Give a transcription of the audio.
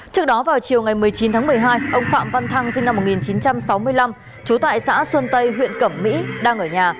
trước đó vào chiều ngày một mươi chín tháng một mươi hai ông phạm văn thăng sinh năm một nghìn chín trăm sáu mươi năm trú tại xã xuân tây huyện cẩm mỹ đang ở nhà